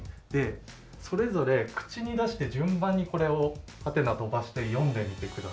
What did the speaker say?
それぞれ口に出して順番にこれをハテナ飛ばして読んでみてください。